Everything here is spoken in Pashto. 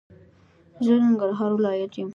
زه د ننګرهار ولايت يم